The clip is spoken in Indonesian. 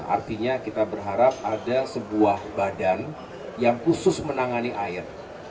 artinya kita berharap ada sebuah badan yang khusus menangani air